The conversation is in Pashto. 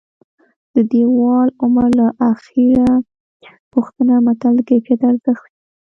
د دېوال عمر له اخېړه پوښته متل د کیفیت ارزښت ښيي